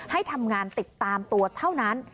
ให้ทำงานติดตามตัวเท่านั้น